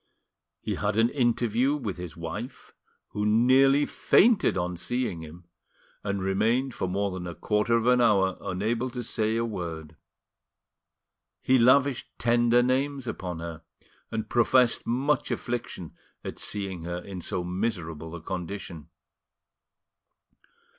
He had an interview with his wife, who nearly fainted on seeing him, and remained for more than a quarter of an hour unable to say a word. He lavished tender names upon her, and professed much affliction at seeing her in so miserable a condition.